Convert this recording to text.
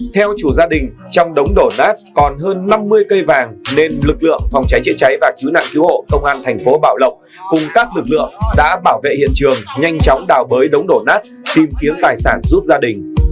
theo chủ gia đình trong đống đổ nát còn hơn năm mươi cây vàng nên lực lượng phòng cháy chữa cháy và cứu nạn cứu hộ công an thành phố bảo lộc cùng các lực lượng đã bảo vệ hiện trường nhanh chóng đào bới đống đổ nát tìm kiếm tài sản giúp gia đình